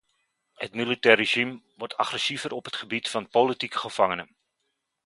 Het militaire regime wordt agressiever op het gebied van politieke gevangenen.